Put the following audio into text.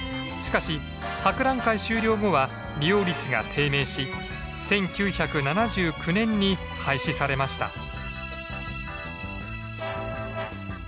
しかし博覧会終了後は利用率が低迷し１９７９年に廃止されました。